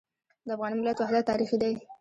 د افغان ملت وحدت تاریخي دی.